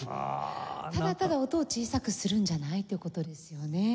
ただただ音を小さくするんじゃないという事ですよね。